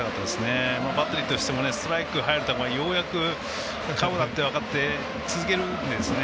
バッテリーとしてもストライク入る球がようやくカーブだと分かって続けるんですね。